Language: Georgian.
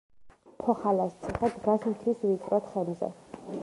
ფოხალას ციხე დგას მთის ვიწრო თხემზე.